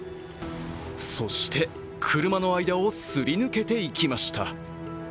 そして、車の間をすり抜けていきました。